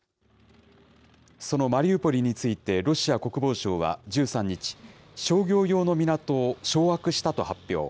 そのマリウポリについて、ロシア国防省は１３日、商業用の港を掌握したと発表。